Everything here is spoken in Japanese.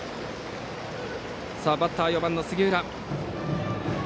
バッターは４番、杉浦。